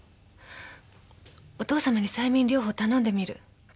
お父さまに催眠療法頼んでみる。